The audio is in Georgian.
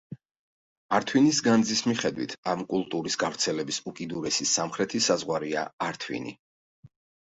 ართვინის განძის მიხედვით, ამ კულტურის გავრცელების უკიდურესი სამხრეთი საზღვარია ართვინი.